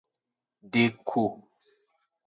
Deku.